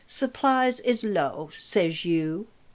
Supplies is low, says you.